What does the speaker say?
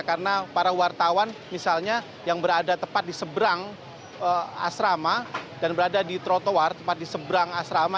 karena para wartawan misalnya yang berada tepat di seberang asrama dan berada di trotoar tepat di seberang asrama